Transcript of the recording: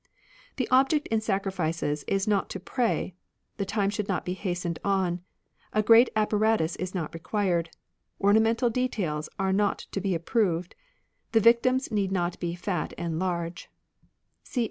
" The object in sacrifices is not to pray ; the time should not be hastened on ; a great apparatus is not required ; ornamental details are not to be approved ; the victims need not be fat and large (c